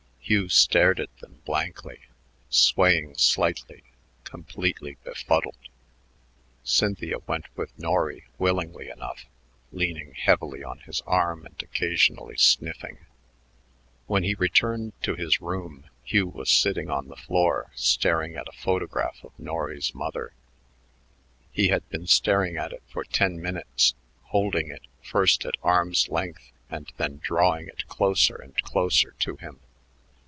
Hugh stared at them blankly, swaying slightly, completely befuddled. Cynthia went with Norry willingly enough, leaning heavily on his arm and occasionally sniffing. When he returned to his room, Hugh was sitting on the floor staring at a photograph of Norry's mother. He had been staring at it for ten minutes, holding it first at arm's length and then drawing it closer and closer to him.